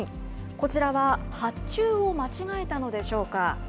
こちらは発注を間違えたのでしょうか。